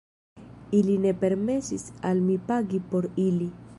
Ili ne permesis al mi pagi por ili.